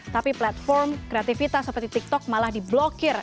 tapi platform kreatifitas seperti tiktok malah di blokir